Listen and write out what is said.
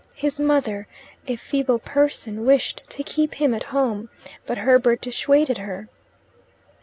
His mother, a feeble person, wished to keep him at home, but Herbert dissuaded her.